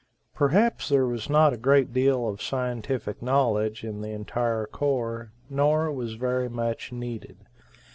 Perhaps there was not a great deal of scientific knowledge in the entire corps, nor was very much needed.